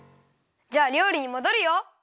じゃありょうりにもどるよ！